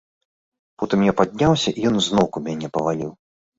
Потым я падняўся, і ён зноўку мяне паваліў.